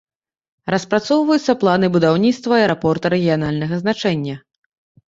Распрацоўваюцца планы будаўніцтва аэрапорта рэгіянальнага значэння.